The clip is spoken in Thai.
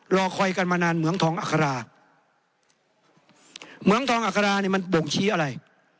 รอคอยกันมานานเหมืองทองอัคราเหมืองทองอัคราเนี่ยมันบ่งชี้อะไร